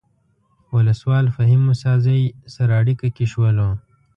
ولسوال فهیم موسی زی سره اړیکه کې شولو.